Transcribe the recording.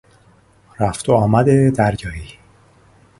رفت و آمد دریایی